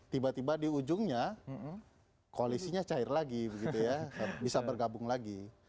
tiba tiba di ujungnya koalisinya cair lagi begitu ya bisa bergabung lagi